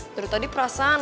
dari tadi perasaan